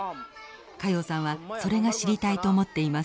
加用さんはそれが知りたいと思っています。